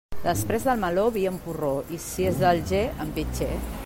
Després del meló, vi en porró, i si és d'Alger, en pitxer.